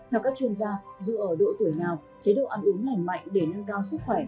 theo các chuyên gia dù ở độ tuổi nào chế độ ăn uống lành mạnh để nâng cao sức khỏe